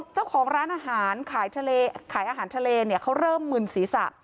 เจ้าของร้านอาหารขายอาหารทะเลเนี่ยเขาเริ่มมึนศีรษะ